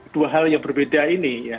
dua hal yang berbeda ini